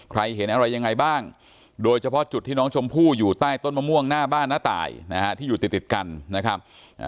เห็นอะไรยังไงบ้างโดยเฉพาะจุดที่น้องชมพู่อยู่ใต้ต้นมะม่วงหน้าบ้านน้าตายนะฮะที่อยู่ติดติดกันนะครับ